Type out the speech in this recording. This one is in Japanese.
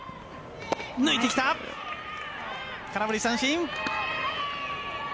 空振り三振。